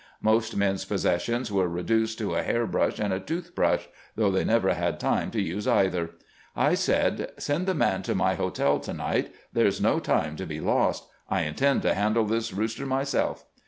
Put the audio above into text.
Most men's possessions were reduced to a hair brush and a tooth brush, though they never had time to use either. I said :" Send the man to my hotel to night ; there 's no time to be lost. I intend to handle this rooster myself."